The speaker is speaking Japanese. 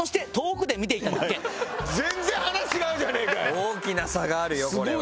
大きな差があるよこれは。